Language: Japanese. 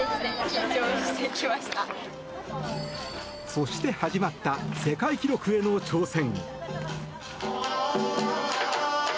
そして始まった世界記録への挑戦！